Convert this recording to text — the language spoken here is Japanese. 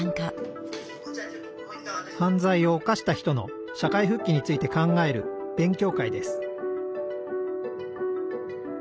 犯罪を犯した人の社会復帰について考える勉強会です